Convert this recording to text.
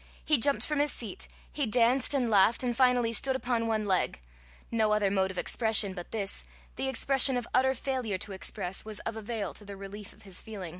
He jumped from his seat; he danced, and laughed, and finally stood upon one leg: no other mode of expression but this, the expression of utter failure to express, was of avail to the relief of his feeling.